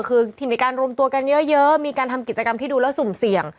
คือที่มีการรวมตัวกันเยอะมีการทำกิจกรรมที่ดูแล้วสุ่มเสี่ยง